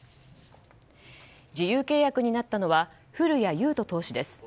自由契約になったのは古谷優人投手です。